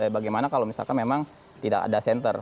bagaimana kalau misalkan memang tidak ada center